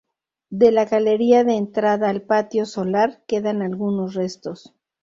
De la galería de entrada al patio solar quedan algunos restos.